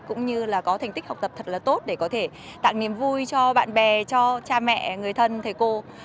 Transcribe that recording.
cũng như là có thành tích học tập thật là tốt để có thể tặng niềm vui cho bạn bè cho cha mẹ người thân thầy cô